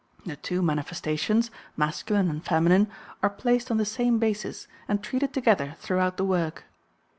The two manifestations, masculine and feminine, are placed on the same basis and treated together throughout the work.